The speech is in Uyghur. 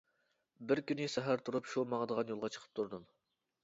بىر كۈنى سەھەر تۇرۇپ، شۇ ماڭىدىغان يولغا چىقىپ تۇردۇم.